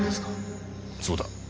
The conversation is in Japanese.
そうだ。